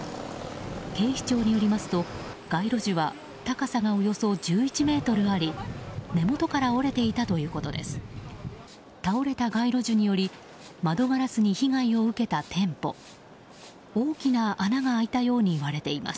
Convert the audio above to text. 警視庁によりますと街路樹は高さがおよそ１１ｍあり根元から折れていたということです。